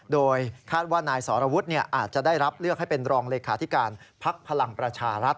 โดยคาดว่านายสรวุฒิอาจจะได้รับเลือกให้เป็นรองเลขาธิการภักดิ์พลังประชารัฐ